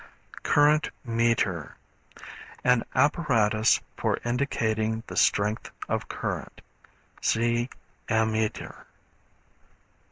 ] Current meter. An apparatus for indicating the strength of current. (See Ammeter.)